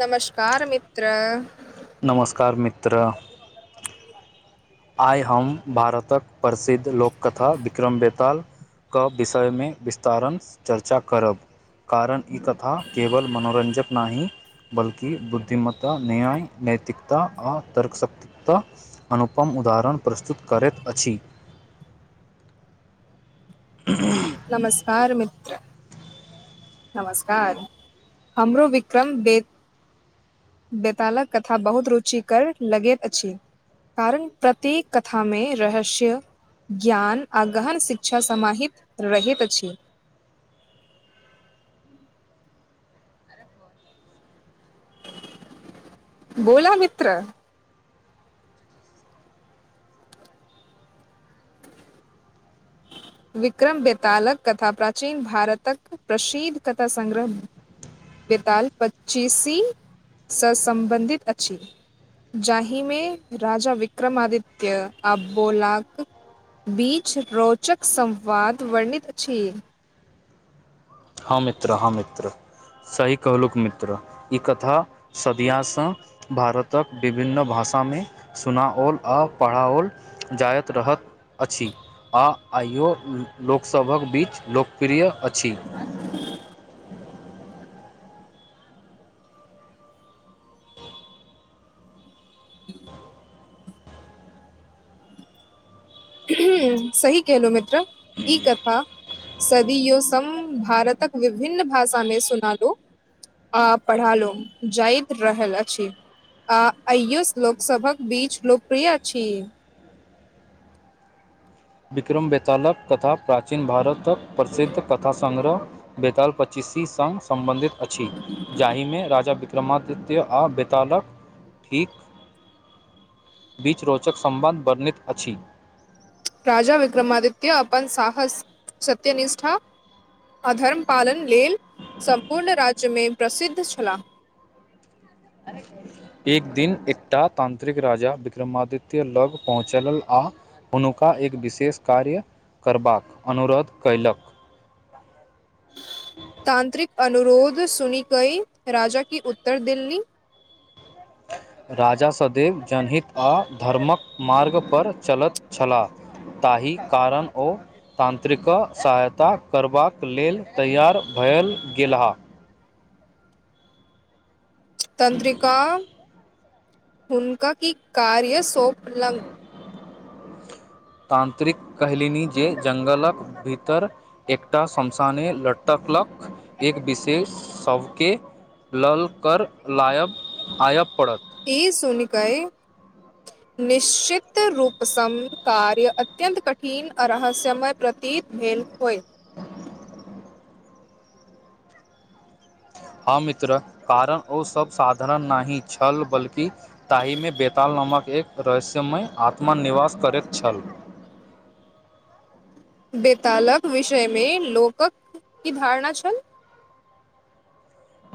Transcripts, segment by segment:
नमस्कार मित्र नमस्कार मित्र आइ हम भारतक प्रसिद्ध लोककथा विक्रम बैताल क विषयमें विस्तारसँ चर्चा करब कारण ई कथा केवल मनोरंजक नाहि बल्कि बुद्धिमत्ता न्याय नैतिकता आ तर्कशक्तिकता पन उदाहरण प्रस्तुत करैत अछि अ्म अ्म ह्ह नमस्कार मित्र नमस्कार हमरो विक्रम बेत बेतालक कथा बहुत रुचिकर लगैत अछि कारण प्रत्येक कथा में रहस्य ज्ञान आ गहन शिक्षा समाहित रहैत अछि बोला मित्र [inaudible] विक्रम बैतालक कथा प्राचीन भारतक प्रसिद्ध कथा संग्रह बेताल पच्चीसी सँ सम्बन्धित अछि जाहिमें राजा विक्रमादित्य आ भोलाक बीच रोचक संवाद वर्णित अछि हँ मित्र हँ मित्र सही कहलुक मित्र ई कथा सदियां सँ भारतक विभन्न भाषामें सुनाओल आ पढ़ाओल जायत रहत अछि आ आइयो लोकसभक बीच लोकप्रिय अछि [inaudible] [inaudible] अ्म ह्ह सही केहलहुं मित्र ई कथा सदीयों सम भारतक विभिन्न भाषा में सुनालो आ पढ़ालो जाइत रहल अछि आ अइयोस लोकसभक बीच लोकप्रिय अछि विक्रम बेतालक कथा प्राचीन भारतक प्रसिद्ध कथा संग्रह बेताल पच्चीसी संग सम्बन्धित अछि जाहि में राजा विक क्रमादित्य आ बेतालक ठीक बीच रोचक सम्बन्ध वर्णित अछि राजा विक्रमादित्य अपन साहस सत्यनिष्ठा अधर्म पालन लेल सम्पूर्ण राज्यमें प्रसिद्ध छलाह अरे एक दिन एकटा तांत्रिक राजा विक्रमादित्य लग पहुँचल आ हुनका एक विशेष कार्य करबाक अनुरोध कयलक तान्त्रिक अनुरोध सुनी गई राजा की उत्तर दिल्ली राजा सदैव जनहित आ धर्मक मार्ग पर चलैत छलाह ताहि कारण ओ तांत्रिक सहायता करबाक लेल तैयार भेल गेलाह तंत्रिका हुनका की कार्य सोप लंग तान्त्रिक कहलिनि जे जंगलक भीतर एकटा शमशाने लट्टकलक एक विशेष शव के लल कर लायब आयब पड़त ई सुनि कय आ निश्चितरूपसम कार्य अत्यन्त कठिन अरहस्यमय प्रतीत भेल होइ [unintelligible] हँ मित्र कारण ओ सब साधरण नाहि छल बल्कि ताहि में बैताल नामक एक रहस्यमय आत्मा निवास करैत छल बेतालक विषयमें लोकक की धारणा छल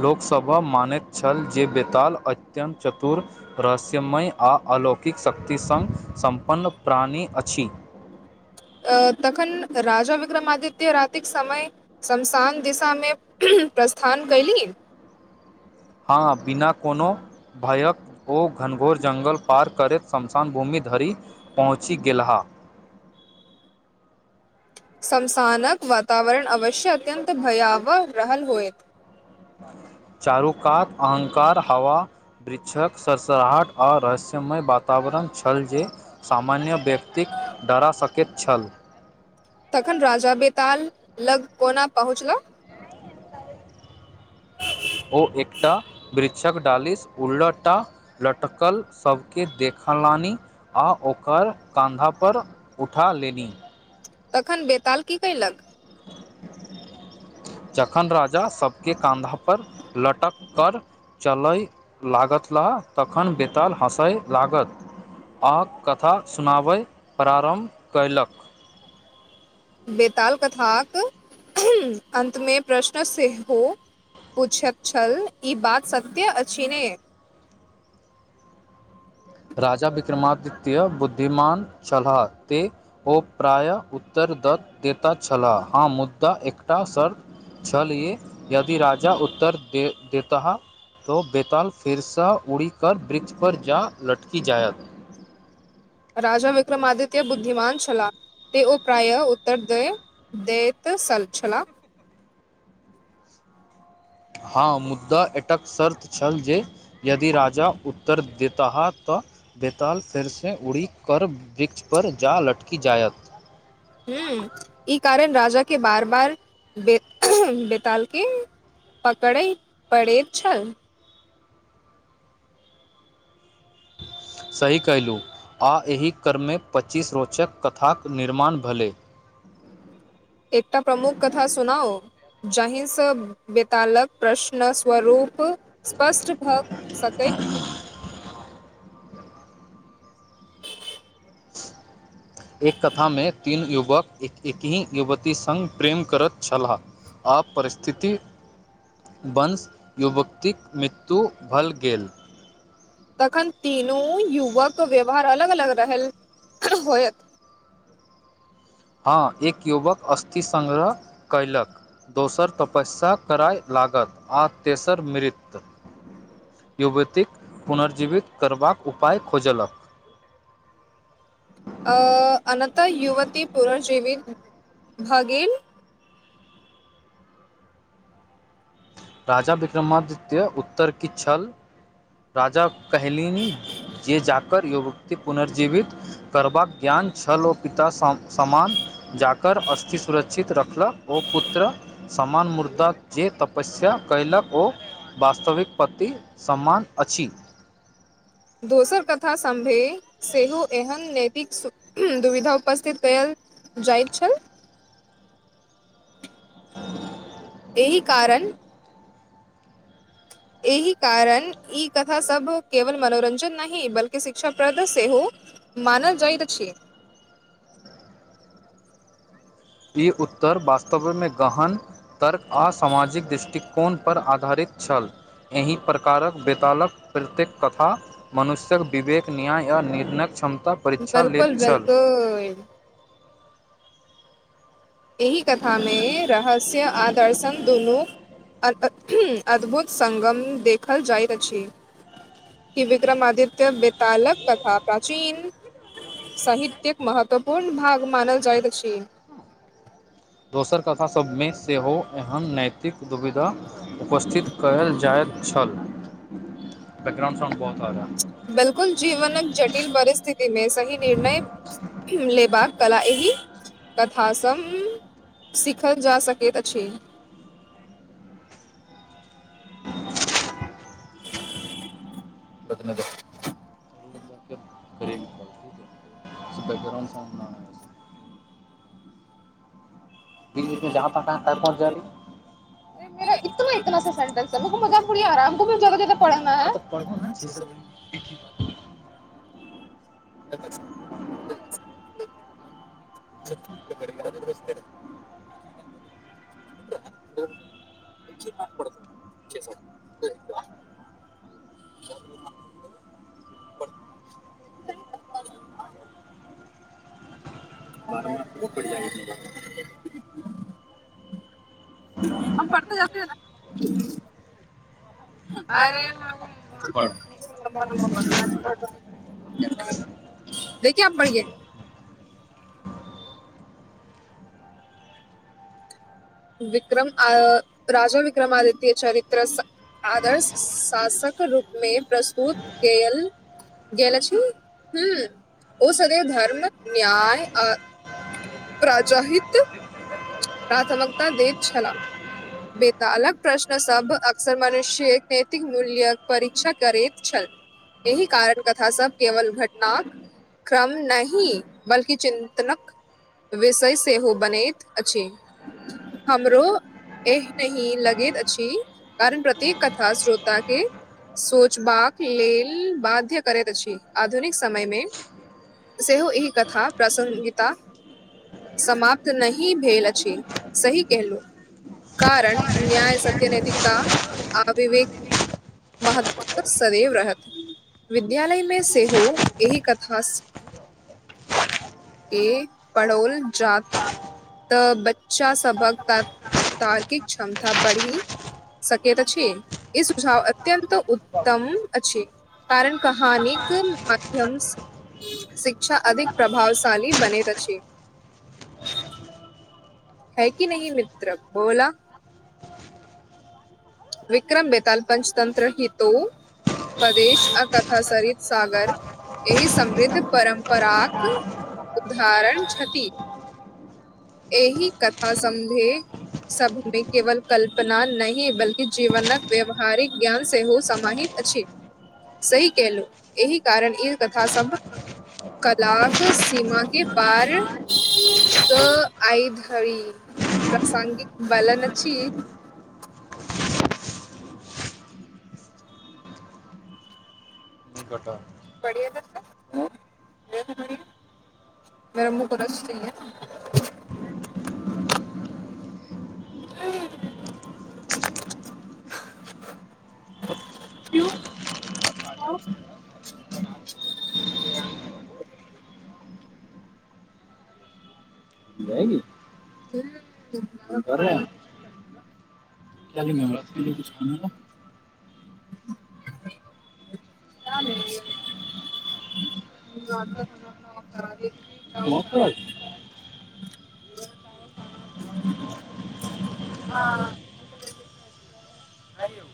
लोकसभ मानैत छल जे बेताल अत्यन्त चतुर रहस्यमय आ अलौकिक शक्ति सङ्ग सम्पन्न प्राणी अछि अ तखन राजा विक्रमादित्य संग रातिक समय श्मशान दिशा में अहं प्रस्थान कयली हँ बिना कोनो भयक ओ घनघोर जङ्गल पार करैत शमशान भूमि धरि पहुँचि गेलहा समसानक वातावरण अवश्य अत्यन्त भयावह रहल होए चारु कात अहँकार हवा वृक्षक सरसराहट आ रहस्यमय वातावरण छल जे सामान्य व्यक्तिक डरा सकैत छल तखन राजा बेताल लग कोना पहुँचला ओ एकटा व्रिक्षक डालिस उल्ल टा लटकल सभके देखलानि आ ओकर काँधापर उठा लेनी तखन बेताल की कयलक [unintelligible] जखन राजा सभके काँधा पर लटक कर चलय लागतला तखन बेताल हँसय लागत अहाँके कथा सुनाबय प्रारम्भ कयलक बेेताल कथाक अन्तमें प्रश्न सेहो पूछैत छल ई बात सत्य अछि ने राजा विक्रमादित्य बुद्धिमान छलाह ते ओ प्रायः उत्तर द देता छलाह हँ मुद्दा एकटा सर छले यदि राजा उत्तर देता ह तो बेताल फेरसा उड़ी कर ब्रिज पर जा लटकी जायत राजा विक्रमादित्य बुद्धिमान छलाह त ओ प्रायः उत्तर द देत सल छला हँ मुद्दा एकटक शर्त छल जे यदि राजा उत्तर देहता तऽ बैताल फेरसँ उड़ी कर वृक्ष पर जा लटकी जायत ह ई कारण राजा के बार बार बे बेतालके पकड़ैत पड़ैत छल सही कयलू आ एहि क्रम में पचीस रोचक कथाक निर्माण भेलै एकटा प्रमुख कथा सुनाउ जाहिसँ बेतालक प्रश्न स्वरूप स्पष्ट भऽ सकै [inaudible] एक कथामे तीन युवक एक एकहि युवती संग प्रेम करै छलाह आब परिस्थिति वंश युवतिक मृत्यु भल गेल तखन तीनू युवक व्यवहार अलग अलग रहल होयत हँ एक युवक अस्थि संग्रह कयलक दोसर तपस्या करय लागत आ तेसर मृत युवतीक पुनर्जीवित करबाक उपाय खोजलक अ अनतः युवती पुनर्जीवित भ गेल राजा विक्रमादित्य उत्तर कि छल राजा कहलिनि जे जा कर व्युक्ति पुनर्जीवित करबाक ज्ञान छल ओ पिता समान जाकर स्स्थि सुरक्षित रखलक ओ पुत्र समान मुदा जे तप तपस्या कयलक ओ वास्तविक पति समान अछि दोसर कथा सम्भे सेहो एहन ने ठीक दुविधा उपस्थित कयल जाइछ छै इही कारण एहि कारण ई कथा सब केवल मनोरंजन नहि बल्कि शिक्षाप्रद सेहो मानल जाइत अछि ई उत्तर वास्तव मे गहन तर्क आ सामाजिक दृष्टिकोण पर आधारित छल एहि प्रकारक बेतालक प्रत्येक कथा मनुष्यक विवेक न्याय आ निर्णयक क्षमता बेलकुल बेलकुल एहि कथामे रहस्य आदर्शन दुनू अद्भुत संगम देखल जाइत अछि विक्रमा आदित्य बेतालक तथा प्राचीन साहित्य महत्वपूर्ण भाग मानल जाइत अछि दोसर कथा सभमे सेहो एहन नैतिक दुविधा उपस्थित कयल जाइत छल बैकग्राउण्ड साॉन्ड बहुत आ बिल्कुल जीवनक जटिल परिस्थिति मे सही निर्णय ले बाक कला एहि कथा सघ सीखल जा सकैत अछि [inaudible] पत्न द [inaudible] बैकग्राउंड सा [inaudible] बीच बीच जा पटात पन जी [unintelligible] मेरा इतना इतना सा सन्टेस हो मजा फो आराम को भ जादा देर तक पढ़ना है पढो न [inaudible] ह [unintelligible] [unintelligible] [unintelligible] पड़त ज भेल ने [unintelligible] आर [unintelligible] देख किय बिय [unintelligible] विक्रम आ राजा विक्रमादित्य चरित्र स आदर्श शासक रूपमे प्रस्तुत कएल गेल अछि हु ओ सदैव धर्म न्याय आ प्रजा हित प्राथमिकता दैत छलाह बेतालक प्रश्नसभ अक्सर मनुष्यक नैतिक मूल्यक परीक्षा करैत छल एहि कारण कथा सब केवल घटना क्रम नहि बल्कि चिन्तनक विषय सेहो बनेैत अ हमरो एह नहि लगैत अछि कारण प्रत्येक कथा श्रोता के सोचबाक लेल बाध्य करैत अछि आधुनिक समय में सेहो ई कथा प्रासंगिकता समाप्त नहि ही भेल अछि सही कहलों कारण न्याय सत्य नैतिकता आ विवेक महत्व सदैव रहत विद्यालयमें सेहो एहि कथा स ए पड़ौल जाात तऽ बच्चा सभक त तार्किक क्षमता बढ़ी सकैत अछि ई सुझाव अत्यन्त उत्तम अछि कारण कहानीक माध्यम स शिक्षा अधिक प्रभावशाली बनैत अछि है की नहि मित्र बोला विक्रम बेताल पञ्चतन्त्र हितोपदेश आ कथासरित सागर एहि समृद्ध परम्पराक उदरण छथि एहि कथा समधिक सबमें केवल कल्पना नहि बल्कि जीवनक व्यवहारिक ज्ञान सेहो समाहित अछि सही कलहु एहि कारण ई कथा सभ कलाप सीमा के पार तॅं आइ धरि प्रासंगिक बलन छी कटा बढ़ मुँह क [unintelligible] [inaudible] [inaudible] ी तर [unintelligible] क लिंग इसलि किछु कऽ सम [unintelligible] समस्त हँ हं यौ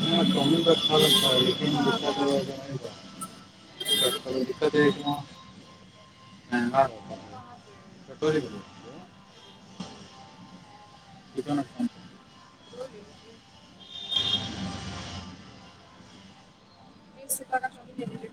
कम ब ख लेकिन क दिक्कत होके ह आ चोरी कर [unintelligible] कऽ [inaudible] [unintelligible]